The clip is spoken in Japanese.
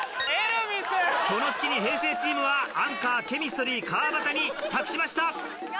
その隙に平成チームはアンカーケミストリー・川畑に託しました。